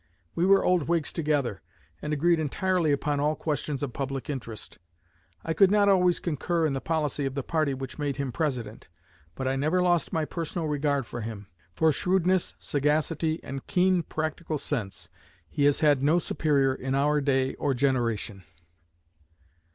We were old Whigs together, and agreed entirely upon all questions of public interest. I could not always concur in the policy of the party which made him President, but I never lost my personal regard for him. For shrewdness, sagacity, and keen practical sense, he has had no superior in our day or generation."